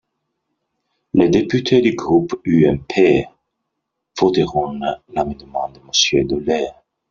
Les députés du groupe UMP voteront l’amendement de Monsieur Dolez.